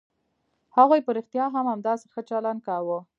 هغوی په رښتيا هم همداسې ښه چلند کاوه.